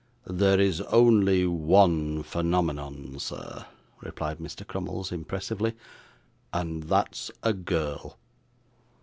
'There is only one phenomenon, sir,' replied Mr. Crummles impressively, 'and that's a girl.